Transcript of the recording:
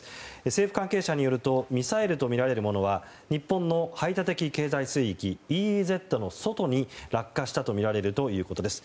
政府関係者によるとミサイルとみられるものは日本の排他的経済水域の外に落下したとみられるということです。